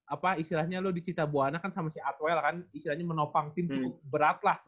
apa istilahnya lu di cita buana kan sama si atwell kan istilahnya menopang tim cukup berat lah